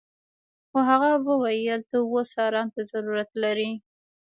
خو هغه وويل ته اوس ارام ته ضرورت لري.